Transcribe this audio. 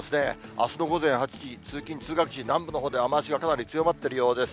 あすの午前８時、通勤・通学時、南部のほうで雨足がかなり強まってるようです。